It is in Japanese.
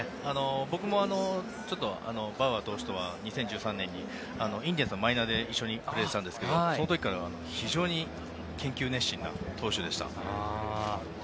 僕もバウアー投手とは２０１３年にインディアンスのマイナーで一緒にプレーしたんですけどその時から非常に研究熱心な投手でした。